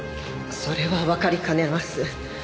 それはわかりかねます。